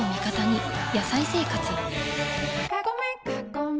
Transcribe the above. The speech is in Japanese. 「野菜生活」